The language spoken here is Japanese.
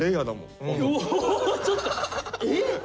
ちょっとえ？